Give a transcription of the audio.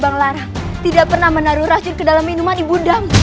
ibu bang larang tidak pernah menaruh racun ke dalam minuman ibundamu